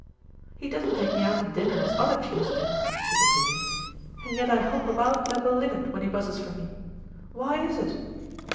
"He doesn't take me out to dinner as other chiefs do," she continued; "yet I hop about like a linnet when he buzzes for me. Why is it?"